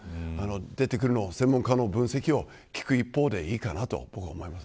出てくる専門家の分析を聞く一方でいいかなと思います。